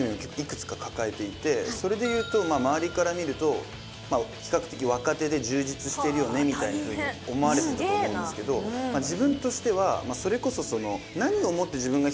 それで言うと周りから見ると比較的若手で充実してるよねみたいなふうに思われてたと思うんですけど自分としてはそれこそその。